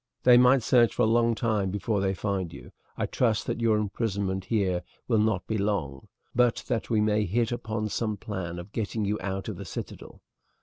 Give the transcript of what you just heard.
They might search for a long time before they find you. I trust that your imprisonment here will not be long, but that we may hit upon some plan of getting you out of the citadel.